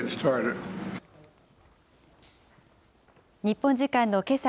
日本時間のけさ